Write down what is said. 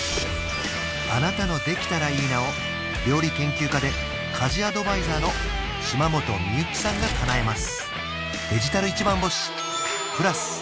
あなたの「できたらいいな」を料理研究家で家事アドバイザーの島本美由紀さんがかなえます